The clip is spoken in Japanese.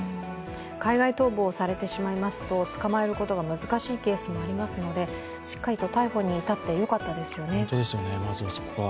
海外逃亡されてしまいますと、捕まえることが難しいケースもありますので、しっかりと逮捕にいたってよかったですよね。